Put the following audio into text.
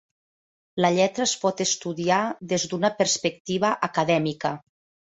La lletra es pot estudiar des d'una perspectiva acadèmica.